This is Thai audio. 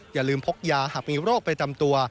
อย่าลืมพกยาหากมีโรคประจำตัว